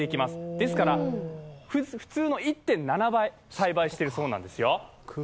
ですから、普通の１．７倍栽培しているそうですよ。